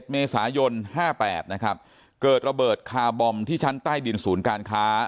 เมษายน๕๘นะครับเกิดระเบิดคาร์บอมที่ชั้นใต้ดินศูนย์การค้า